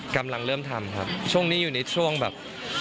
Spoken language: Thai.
กำลังเริ่มทำครับช่วงนี้อยู่ในช่วงแบบ